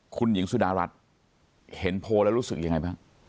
คุณหญิงสุดารัฐเห็นโพลแล้วรู้สึกยังไงบ้าง